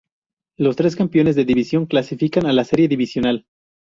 Los tres campeones de división clasifican a la Serie Divisional.